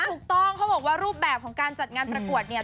ถูกต้องเขาบอกว่ารูปแบบของการจัดงานประกวดเนี่ย